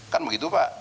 kan begitu pak